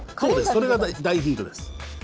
それが大ヒントです。